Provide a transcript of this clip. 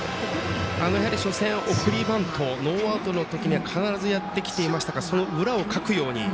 初戦送りバント、ノーアウトの時には必ずやってきていましたからその裏をかくように。